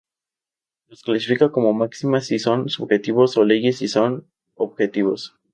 Los clasifica como máximas si son subjetivos o leyes si son objetivos.